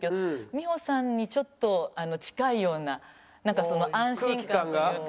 美穂さんにちょっと近いようななんかその安心感というか。